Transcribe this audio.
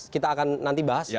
kita akan nanti bahas